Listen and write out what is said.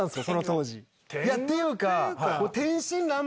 当時。っていうか。